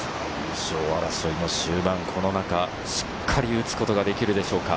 優勝争いも終盤、しっかり打つことができるでしょうか。